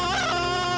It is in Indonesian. eh jangan jangan jangan